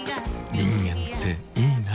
人間っていいナ。